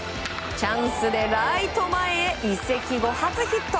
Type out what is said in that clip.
チャンスでライト前へ移籍後初ヒット。